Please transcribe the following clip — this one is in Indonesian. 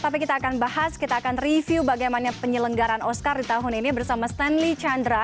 tapi kita akan bahas kita akan review bagaimana penyelenggaran oscar di tahun ini bersama stanley chandra